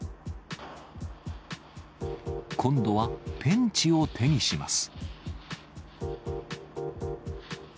今度はペンチを手にします。